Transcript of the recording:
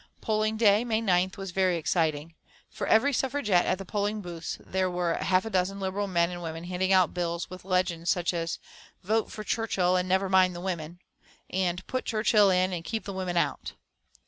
Polling day, May 9th, was very exciting. For every Suffragette at the polling booths there were half a dozen Liberal men and women, handing out bills with such legends as "Vote for Churchill, and never mind the women," and "Put Churchill in and keep the women out."